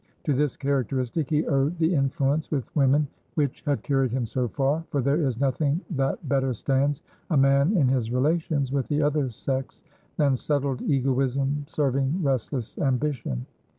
To this characteristic he owed the influence with women which had carried him so far, for there is nothing that better stands a man in his relations with the other sex than settled egoism serving restless ambition.